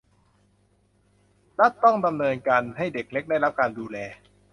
รัฐต้องดำเนินการให้เด็กเล็กได้รับการดูแล